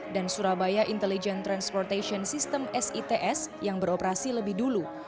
dan surabaya intelligent transportation system sits yang beroperasi lebih dulu